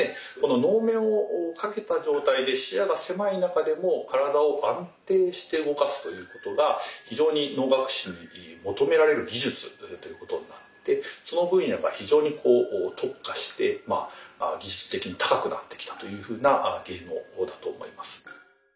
能面をかけた状態で視野が狭い中でも体を安定して動かすということが非常に能楽師に求められる技術ということになるんでその分野が非常に特化して技術的に高くなってきたというふうな芸能だと思います。